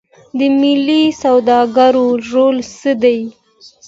د ملي سوداګرو رول څه دی؟